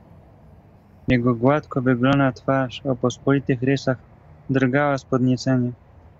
"Jego gładko wygolona twarz o pospolitych rysach drgała z podniecenia."